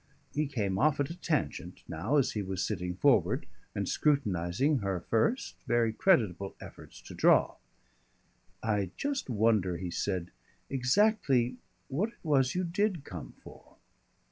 He came off at a tangent now as he was sitting forward and scrutinising her first very creditable efforts to draw. "I just wonder," he said, "exactly what it was you did come for."